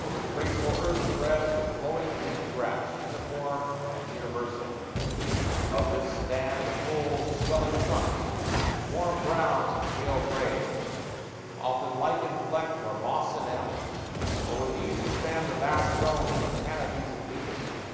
Over the graceful earth spreads the flowing green grass, uniform and universal. Above this stand the full, swelling trunks warm browns and pale grays often lichen flecked or moss enamelled. Over these expand the vast domes and canopies of leafage.